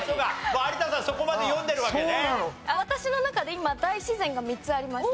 私の中で今大自然が３つあります。